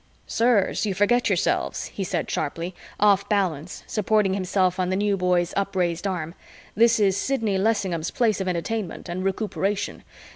"Sirs, you forget yourselves," he said sharply, off balance, supporting himself on the New Boy's upraised arm. "This is Sidney Lessingham's Place of Entertainment and Recuperation.